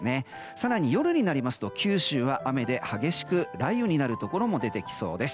更に夜になりますと九州は雨で激しく雷雨になるところも出てきそうです。